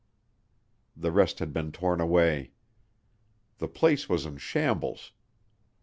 The rest had been torn away. The place was in shambles.